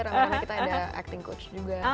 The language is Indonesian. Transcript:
ramadhananya kita ada acting coach juga